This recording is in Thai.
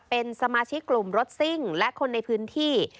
เป็นสมาชิกกลุ่มรถซิ่งและคนในพื้นที่